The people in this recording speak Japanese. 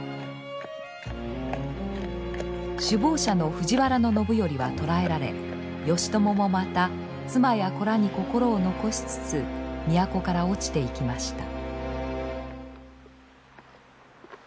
首謀者の藤原信頼は捕らえられ義朝もまた妻や子らに心を残しつつ都から落ちていきました。